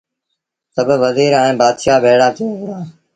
سڀ وزير ائيٚݩ بآتشآ ڀيڙآ ٿئي وهُڙآ